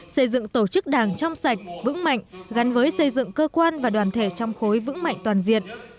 xây dựng tổ chức đảng trong sạch vững mạnh gắn với xây dựng cơ quan và đoàn thể trong khối vững mạnh toàn diện